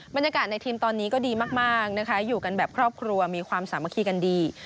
บรรยากาศในทีมตอนนี้ก็ดีมากนะคะอยู่กันแบบครอบครัวมีความสามัคคีกันดี